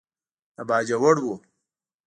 د باجوړ و.